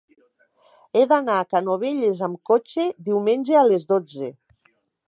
He d'anar a Canovelles amb cotxe diumenge a les dotze.